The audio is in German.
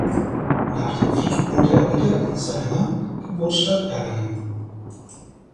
Nach dem Krieg wohnte er wieder in seiner Geburtsstadt Erlangen.